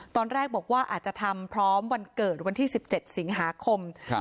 ตอนแรกบอกว่าอาจจะทำพร้อมวันเกิดวันที่๑๗สิงหาคม